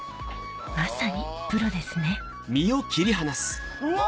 まさにプロですねうわ！